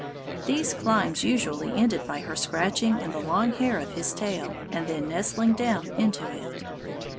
These climbs usually ended by her scratching in the long hair of his tail, and then nestling down into it.